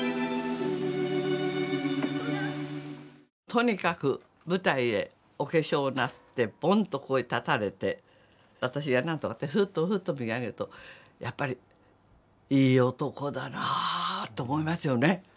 とにかく舞台へお化粧なすってぼんとここへ立たれて私が何とかってふっとふっと見上げるとやっぱり「いい男だなあ」と思いますよね。